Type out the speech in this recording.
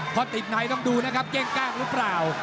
พอติดในต้องดูนะครับเก้งกล้างหรือเปล่า